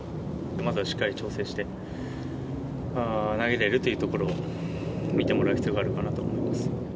まずはしっかり調整して、投げられるというところを見てもらう必要があるかなと思います。